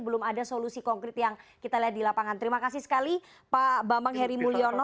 belum ada solusi konkret yang kita lihat di lapangan terima kasih sekali pak bambang heri mulyono